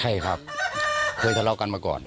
ใช่ครับเคยทะเลาะกันมาก่อน